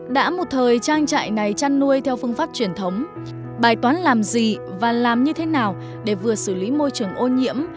đã một thời trang trại này chăn nuôi theo phương pháp truyền thống bài toán làm gì và làm như thế nào để vừa xử lý môi trường ô nhiễm